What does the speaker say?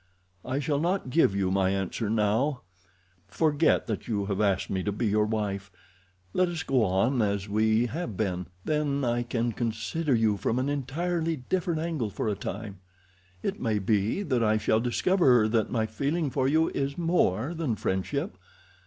I shall not give you my answer now. Forget that you have asked me to be your wife. Let us go on as we have been—then I can consider you from an entirely different angle for a time. It may be that I shall discover that my feeling for you is more than friendship.